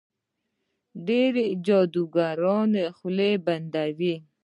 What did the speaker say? ډېر جادوګران خولې بندوي.